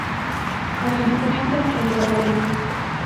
Organización territorial de Alemania